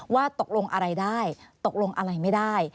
ว่าตกลงอะไรได้ตกลงอะไรไม่ได้